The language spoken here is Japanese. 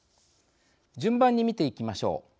順番に見ていきましょう。